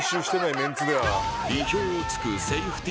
意表を突くセーフティ